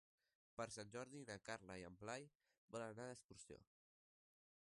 Per Sant Jordi na Carla i en Blai volen anar d'excursió.